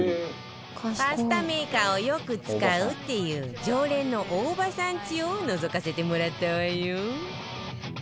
パスタメーカーをよく使うっていう常連の大場さんちをのぞかせてもらったわよ